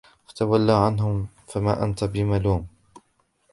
فتول عنهم فما أنت بملوم